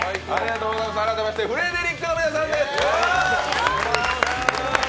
改めましてフレデリックの皆さんです。